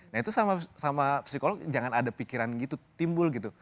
nah itu sama psikolog jangan ada pikiran gitu timbul gitu